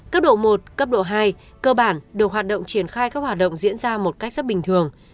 cấp độ một cấp độ hai cơ bản được hoạt động triển khai các hoạt động diễn ra một cách rất bình thường